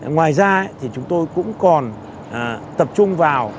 ngoài ra thì chúng tôi cũng còn tập trung vào